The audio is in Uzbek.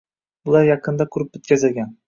Bular yaqinda qurib bitkazilgan.